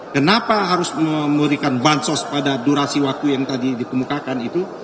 kenapa harus memberikan bansos pada durasi waktu yang tadi dikemukakan itu